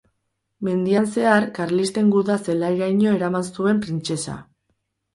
Mendian zehar, karlisten guda-zelairaino eraman zuen printzesa.